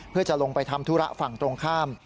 เพื่อจะลงไปทำธุระฝั่งตรงข้าม